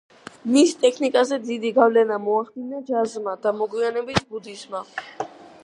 მის ტექნიკაზე დიდი გავლენა მოახდინა ჯაზმა და, მოგვიანებით, ბუდიზმმა.